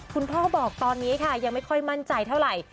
พ่อบอกตอนนี้ค่ะยังไม่ค่อยมั่นใจเท่าไหร่